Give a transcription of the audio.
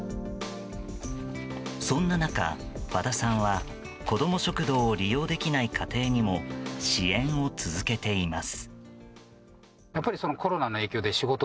そんな中、和田さんは子ども食堂を利用できない家庭にも支援を続けています。